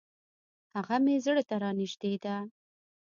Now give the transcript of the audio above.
هغه مي زړه ته را نژدې ده .